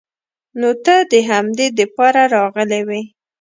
نو ته د همدې د پاره راغلې وې.